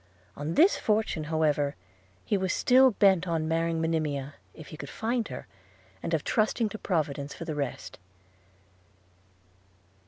On this fortune, however, he was still bent on marrying Monimia, if he could find her; and of trusting to Providence for the rest.